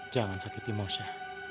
jangan sakiti moshe